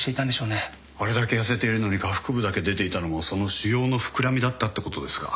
あれだけ痩せているのに下腹部だけ出ていたのもその腫瘍の膨らみだったってことですか。